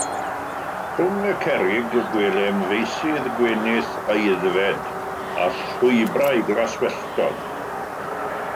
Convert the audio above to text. Rhwng y cerrig, gwelem feysydd gwenith aeddfed, a llwybrau glaswelltog.